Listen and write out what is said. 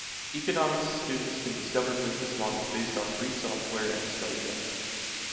Economics students can discover business models based on free software and study them.